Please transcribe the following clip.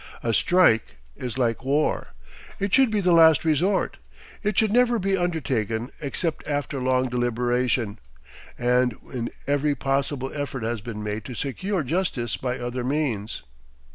A strike is like war. It should be the last resort. It should never be undertaken except after long deliberation, and when every possible effort has been made to secure justice by other means.